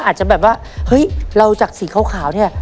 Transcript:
อาจจะแบบว่าเฮ้ยเราจากสีขาวเนี่ย